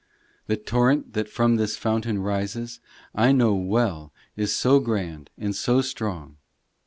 VII The torrent that from this fountain rises, I know well is so grand and so strong